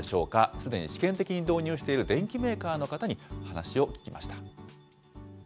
すでに試験的に導入している電機メーカーの方に話を聞きました。